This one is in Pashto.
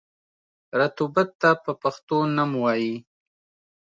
رطوبت ته په پښتو نم وايي.